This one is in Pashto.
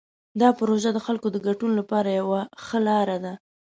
دا پروژه د خلکو د ګډون لپاره یوه ښه لاره ده.